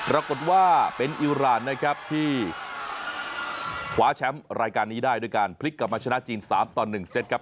ปรากฏว่าเป็นอิราณนะครับที่คว้าแชมป์รายการนี้ได้ด้วยการพลิกกลับมาชนะจีน๓ต่อ๑เซตครับ